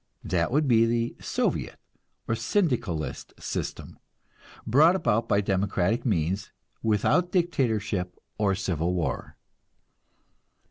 That would be the Soviet or Syndicalist system, brought about by democratic means, without dictatorship or civil war.